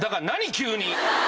急に。